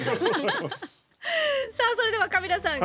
さあそれではカビラさん。